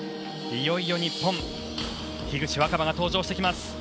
いよいよ日本樋口新葉が登場してきます。